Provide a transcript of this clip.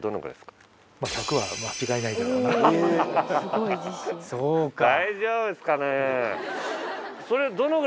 あそうか。